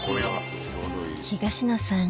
東野さん